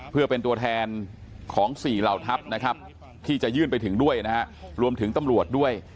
เพื่อเป็นตัวแทนของสี่เหล่าทัพที่จะยื่นไปถึงด้วยรวมถึงตามรวจด้วย